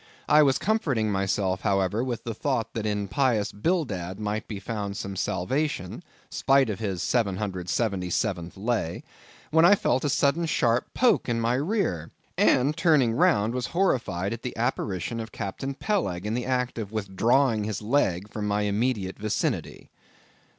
I was comforting myself, however, with the thought that in pious Bildad might be found some salvation, spite of his seven hundred and seventy seventh lay; when I felt a sudden sharp poke in my rear, and turning round, was horrified at the apparition of Captain Peleg in the act of withdrawing his leg from my immediate vicinity.